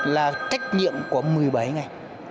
là trách nhiệm của một mươi bảy ngày